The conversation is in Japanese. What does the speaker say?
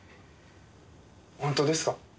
本当ですか？